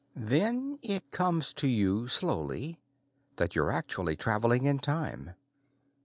Then it comes to you slowly that you're actually traveling in time.